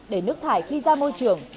để nước thải khi ra môi trường